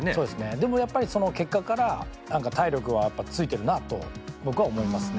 でもやっぱりその結果から体力はついてるなと僕は思いますね。